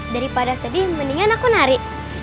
daripada sedih mendingan aku nari